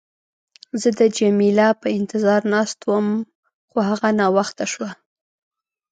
زه د جميله په انتظار ناست وم، خو هغه ناوخته شوه.